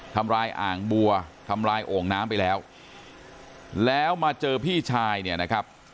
ทำร้ายอ่างบัวทำลายโอ่งน้ำไปแล้วแล้วมาเจอพี่ชายเนี่ยนะครับ